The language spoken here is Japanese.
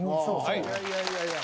いやいやいやいや。